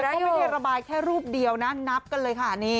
ก็ไม่ได้ระบายแค่รูปเดียวนะนับกันเลยค่ะ